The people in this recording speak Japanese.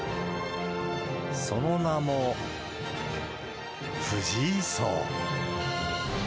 その名も、藤井荘。